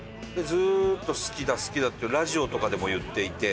ずっと「好きだ好きだ」ってラジオとかでも言っていて。